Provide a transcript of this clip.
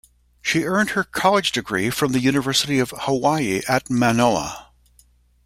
She earned her college degree from the University of Hawaii at Manoa.